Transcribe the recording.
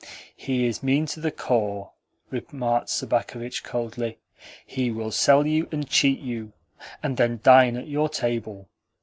"He is mean to the core," remarked Sobakevitch coldly. "He will sell you and cheat you, and then dine at your table.